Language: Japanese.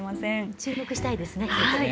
注目したいですね。